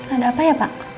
ada apa ya pak